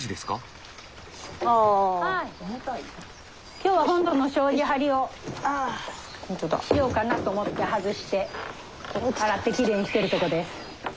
今日は本堂の障子張りをしようかなと思って外して洗ってきれいにしてるとこです。